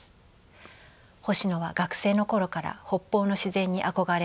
星野は学生の頃から北方の自然に憧れを抱いていました。